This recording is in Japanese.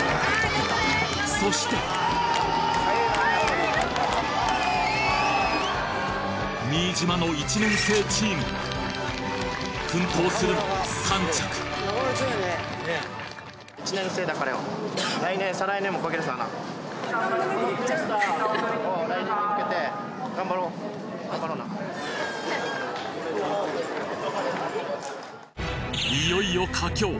そして新島の１年生チーム奮闘するも３着いよいよ佳境。